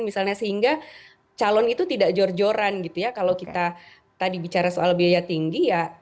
misalnya sehingga calon itu tidak jor joran gitu ya kalau kita tadi bicara soal biaya tinggi ya